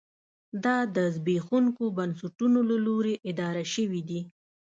دا د زبېښونکو بنسټونو له لوري اداره شوې دي.